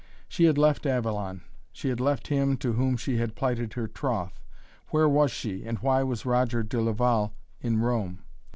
She had left Avalon; she had left him to whom she had plighted her troth. Where was she and why was Roger de Laval in Rome?